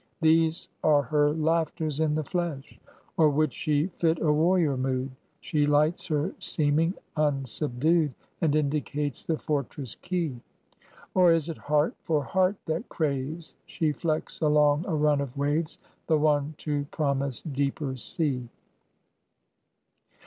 These are her laughters in the flesh. Or would she fit a warrior mood, She lights her seeming unsubdued, And indicates the fortress key. Or is it heart for heart that craves, She flecks along a run of waves The one to promise deeper sea.